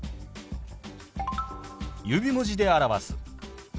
指文字で表す。